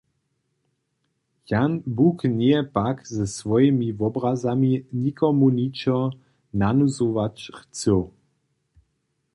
Jan Buk njeje pak ze swojimi wobrazami nikomu ničo nanuzować chcył.